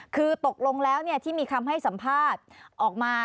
คือตกลงแล้วที่มีคำให้สัมภาษณ์ออกมา